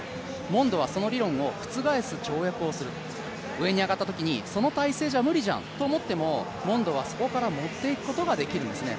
モンドはその理論を覆す跳躍をする上に上がったときに、その体勢じゃ無理じゃんと思ってもモンドはそこから持っていくことができるんですね。